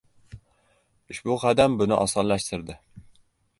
Ushbu qadam buni osonlashtirdi.